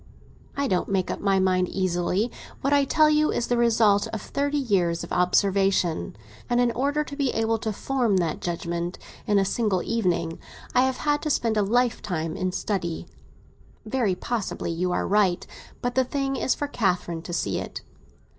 "I don't make up my mind easily. What I tell you is the result of thirty years of observation; and in order to be able to form that judgement in a single evening, I have had to spend a lifetime in study." "Very possibly you are right. But the thing is for Catherine to see it."